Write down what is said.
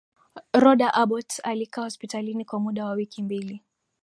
roda abbott alikaa hospitalini kwa muda wa wiki mbili